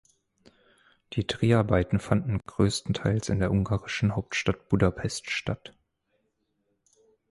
Die Dreharbeiten fanden größtenteils in der ungarischen Hauptstadt Budapest statt.